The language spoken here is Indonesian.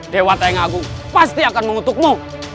dewa tengah agung pasti akan mengutukmu